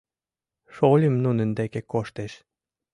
Шольым нунын деке коштеш.